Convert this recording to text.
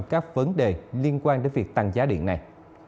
xung quanh các vấn đề liên quan đến việc tăng giá điện này